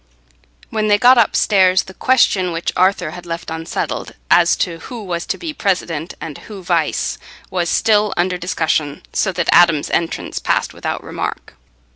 When they got upstairs, the question which Arthur had left unsettled, as to who was to be president, and who vice, was still under discussion, so that Adam's entrance passed without remark.